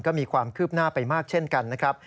ก็มีความคืบหน้าไปมากเช่นกันนะครับ